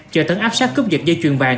chờ tấn áp sát cúp giật dây chuyền vàng